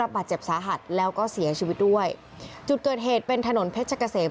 บาดเจ็บสาหัสแล้วก็เสียชีวิตด้วยจุดเกิดเหตุเป็นถนนเพชรเกษม